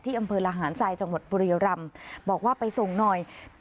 ที่อำเภอละหารไซด์จังหวัดปุริยรรรมบอกว่าไปส่งหน่อย